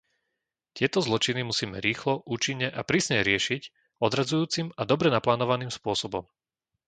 Tieto zločiny musíme rýchlo, účinne a prísne riešiť odradzujúcim a dobre naplánovaným spôsobom.